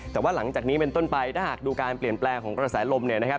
แต่ว่าหลังจากนี้เป็นต้นไปถ้าหากดูการเปลี่ยนแปลงของกระแสลมเนี่ยนะครับ